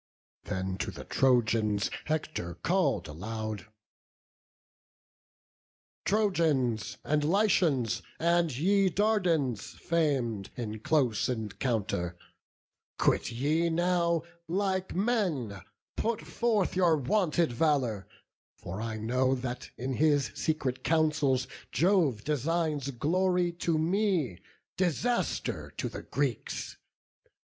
Then to the Trojans Hector call'd aloud: "Trojans, and Lycians, and ye Dardans, fam'd In close encounter, quit ye now like men; Put forth your wonted valour; for I know That in his secret counsels Jove designs Glory to me, disaster to the Greeks.